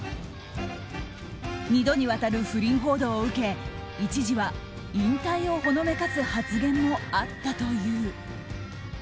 ２度にわたる不倫報道を受け一時は、引退をほのめかす発言もあったという。